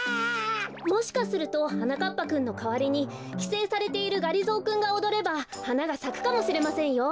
もしかするとはなかっぱくんのかわりにきせいされているがりぞーくんがおどればはながさくかもしれませんよ。